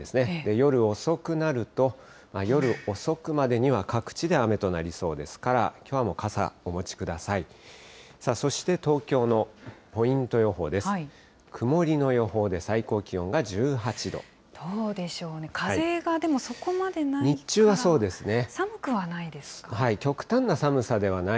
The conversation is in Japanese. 夜遅くなると、夜遅くまでには各地で雨となりそうですから、きょうはもう傘、お持ちください。